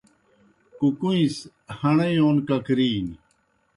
کُکُوئیں سہ ہݨہ یون ککرِینیْ۔